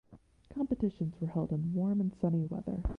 Competitions were held in warm and sunny weather.